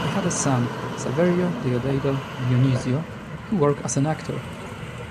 They had a son, Saverio Deodato-Dionisio, who worked as an actor.